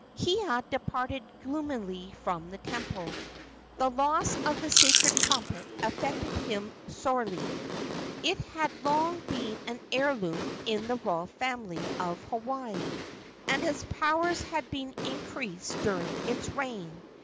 Kiha departed gloomily from the temple. The loss of the sacred trumpet afflicted him sorely. It had long been an heirloom in the royal family of Hawaii, and its powers had been increased during his reign.